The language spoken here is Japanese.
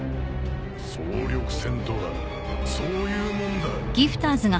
総力戦とはそういうもんだ。